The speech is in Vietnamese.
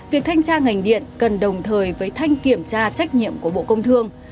việc thanh tra ngành điện cần đồng thời với thanh kiểm tra trách nhiệm của bộ công thương